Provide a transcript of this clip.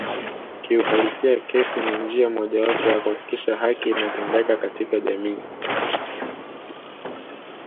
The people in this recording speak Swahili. Kiuhalisia kesi ni njia mojawapo ya kuhakikisha haki inatendeka katika jamii